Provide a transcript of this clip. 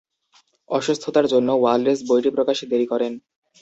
অসুস্থতার জন্য ওয়ালেস বইটি প্রকাশে দেরি করেন।